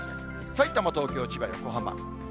さいたま、東京、千葉、横浜。